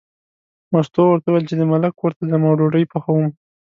مستو ورته وویل چې د ملک کور ته ځم او ډوډۍ پخوم.